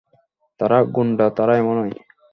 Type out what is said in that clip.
তারা গুন্ডা, তারা এমনই।